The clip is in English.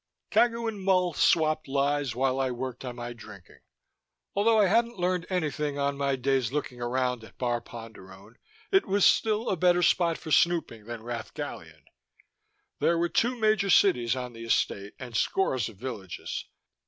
Cagu and Mull swapped lies while I worked on my drinking. Although I hadn't learned anything on my day's looking around at Bar Ponderone, it was still a better spot for snooping than Rath Gallion. There were two major cities on the Estate and scores of villages.